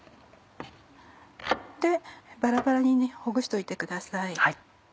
でバラバラにほぐしといてください。